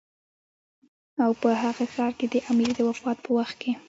او په هغه ښار کې د امیر د وفات په وخت کې.